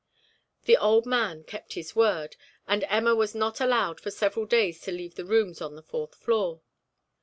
The old man kept his word, and Emma was not allowed for several days to leave the rooms on the fourth floor.